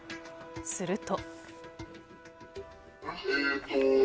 すると。